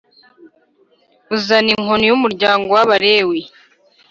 uzana inkoni y’ umuryango w’Abalewi